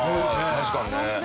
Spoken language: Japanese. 確かにね。